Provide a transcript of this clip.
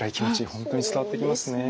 本当に伝わってきますね。